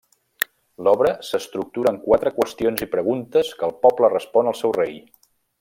L'obra s'estructura en quatre qüestions i preguntes que el poble respon al seu rei.